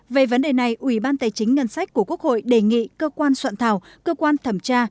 về vấn đề này ủy ban tài chính ngân sách của quốc hội đề nghị cơ quan soạn thảo cơ quan thẩm tra